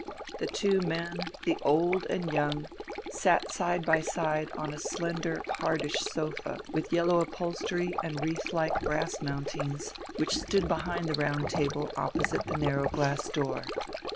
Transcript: The two men, the old and young, sat side by side on a slender, hardish sofa with yellow upholstery and wreath like brass mountings, which stood behind the round table opposite the narrow glass door.